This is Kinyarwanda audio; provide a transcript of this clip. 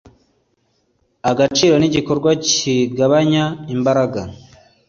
Agaciro ni igikorwa kigabanya imbaraga